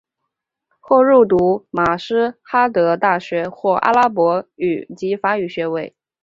后入读马什哈德大学获阿拉伯语及法语学位。